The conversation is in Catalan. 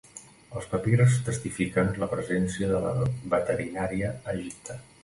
Els papirs testifiquen la presència de la veterinària a Egipte.